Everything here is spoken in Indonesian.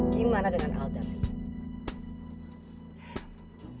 gimana dengan alda bi